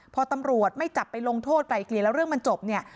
พอตำรวจไม่จับไปลงโทษไกลเกลี่ยแล้วเรื่องมันจบเนี่ย